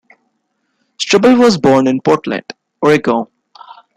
Struble was born in Portland, Oregon.